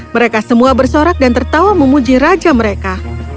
mereka semua bersorak dan tertawa memuji raja mereka